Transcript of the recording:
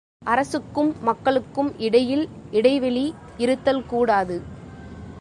அரசுக்கும் மக்களுக்கும் இடையில் இடைவெளி இருத்தல்கூடாது.